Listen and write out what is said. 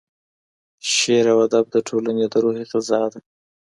شعر او ادب د ټولني د روح غذا ده.